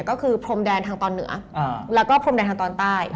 ก็คือพรมแดนทางตอนเหนือแล้วก็พรมแดนทางตอนใต้